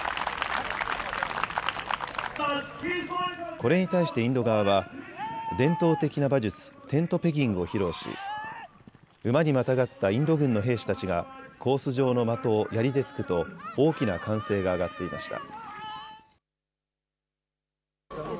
これに対してインド側は伝統的な馬術、テントペギングを披露し馬にまたがったインド軍の兵士たちがコース上の的をやりで突くと大きな歓声が上がっていました。